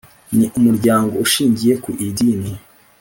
Ni Umuryango Ushingiye ku Idini